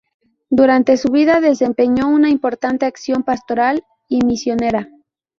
Durante su vida desempeñó una importante acción pastoral y misionera.